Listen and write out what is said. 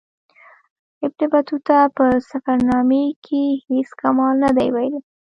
ابن بطوطه په سفرنامې کې هیڅ کمال نه دی ویلی.